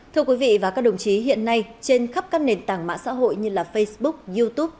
thưa quý vị và các đồng chí hiện nay trên khắp các nền tảng mạng xã hội như facebook youtube